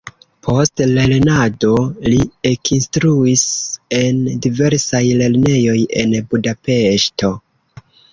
Post lernado li ekinstruis en diversaj lernejoj en Budapeŝto.